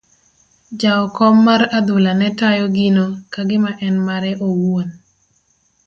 Jaokom mar adhula ne tayo gino ka gima en mare owuon.